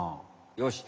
よし。